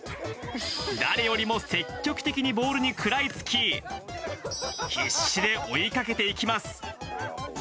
誰よりも積極的にボールに食らいつき、必死で追いかけていきます。